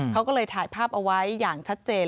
เขาก็เลยถ่ายภาพเอาไว้อย่างชัดเจน